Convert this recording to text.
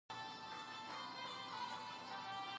پښتو ادبیات د ذهنونو روڼتیا تضمینوي.